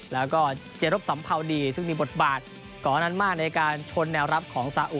แล้วก็เจรบสัมภาวดีซึ่งมีบทบาทก่อนนั้นมากในการชนแนวรับของสาอุ